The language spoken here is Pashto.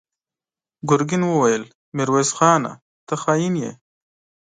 ګرګين وويل: ميرويس خانه! ته خاين يې!